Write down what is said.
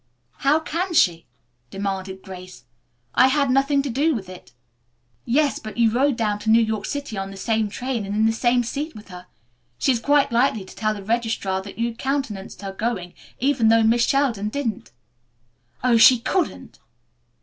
"How can she?" demanded Grace. "I had nothing to do with it." "Yes, but you rode down to New York City on the same train and in the same seat with her. She is quite likely to tell the registrar that you countenanced her going even though Miss Sheldon didn't." "Oh, she couldn't!"